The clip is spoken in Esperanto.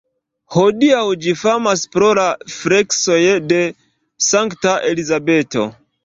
Hodiaŭ ĝi famas pro la freskoj de Sankta Elizabeto.